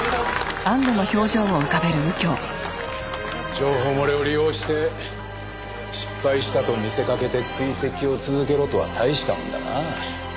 情報漏れを利用して失敗したと見せかけて追跡を続けろとは大したものだなあ。